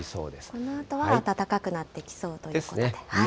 このあとは暖かくなってきそうということで。ですね。